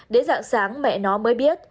để dạng sáng mẹ nó mới biết